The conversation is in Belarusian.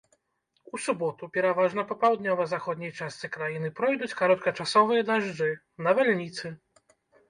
У суботу пераважна па паўднёва-заходняй частцы краіны пройдуць кароткачасовыя дажджы, навальніцы.